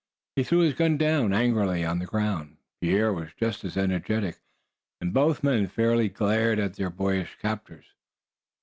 He threw his gun down angrily on the ground; Pierre was just as energetic, and both men fairly glared at their boyish captors.